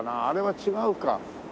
あれは違うか。